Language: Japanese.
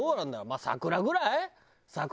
まあ桜ぐらい？